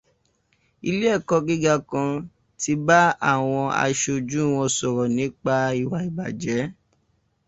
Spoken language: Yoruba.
Ilé ẹ̀kọ́ gíga kan ti bá àwọn aṣojú wọn sọ̀rọ̀ nípa ìwà ìbàjẹ́.